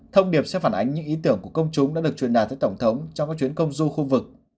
thông điệp sẽ phản ánh những ý tưởng của công chúng đã được truyền đạt tới tổng thống trong các chuyến công du khu vực